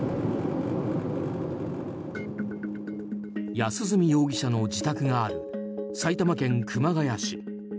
安栖容疑者の自宅がある埼玉県熊谷市。